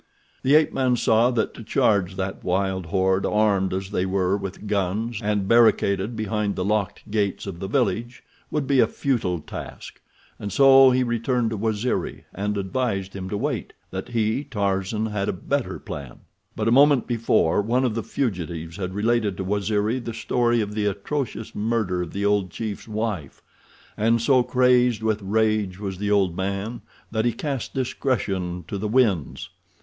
The ape man saw that to charge that wild horde, armed as they were with guns, and barricaded behind the locked gates of the village, would be a futile task, and so he returned to Waziri and advised him to wait; that he, Tarzan, had a better plan. But a moment before one of the fugitives had related to Waziri the story of the atrocious murder of the old chief's wife, and so crazed with rage was the old man that he cast discretion to the winds.